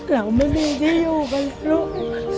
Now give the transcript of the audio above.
เราไม่มีที่อยู่กันลูก